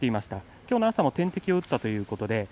きょうの朝も点滴を打ったということです。